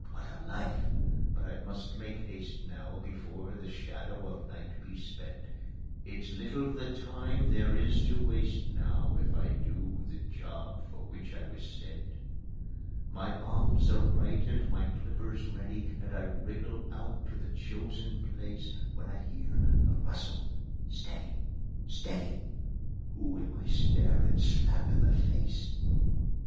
What a life! But I must make haste now, Before the shadow of night be spent. It's little the time there is to waste now, If I'd do the job for which I was sent. My bombs are right and my clippers ready, And I wriggle out to the chosen place, When I hear a rustle ... Steady! ... Steady! Who am I staring slap in the face?